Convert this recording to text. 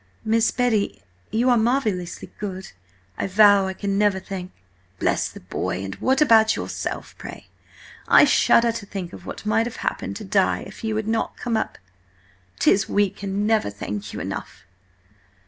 "Miss Betty? you are marvellously good. I vow I can never thank—" "Bless the boy! And what about yourself, pray? I shudder to think of what might have happened to Di if you had not come up! 'Tis we can never thank you enough."